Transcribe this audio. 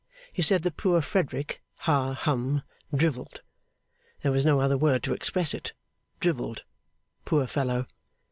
He said that poor Frederick ha hum drivelled. There was no other word to express it; drivelled. Poor fellow!